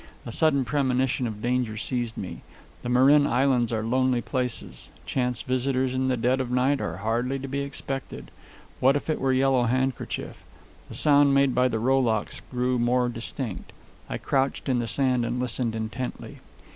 A sudden premonition of danger seized me. The Marin Islands are lonely places; chance visitors in the dead of night are hardly to be expected. What if it were Yellow Handkerchief? The sound made by the rowlocks grew more distinct. I crouched in the sand and listened intently.